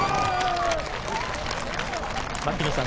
牧野さん